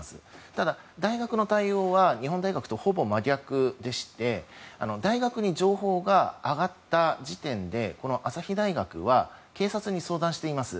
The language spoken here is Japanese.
ただ、大学の対応は日本大学とほぼ真逆でして大学に情報が上がった時点で朝日大学は警察に相談しています。